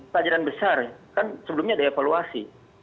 pelajaran besar kan sebelumnya ada evaluasi